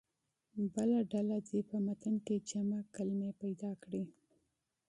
بله ډله دې په متن کې جمع کلمې پیدا کړي.